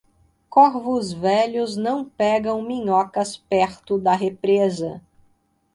Corvos velhos não pegam minhocas perto da represa.